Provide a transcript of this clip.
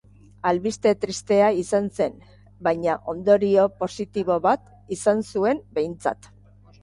Albiste tristea izan zen, baina ondorio positibo bat izan zuen behintzat.